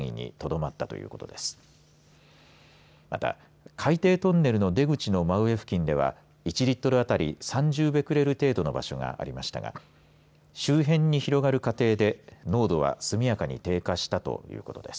また、海底トンネルの出口の真上付近では１リットル当たり３０ベクレル程度の場所がありましたが周辺に広がる過程で濃度は速やかに低下したということです。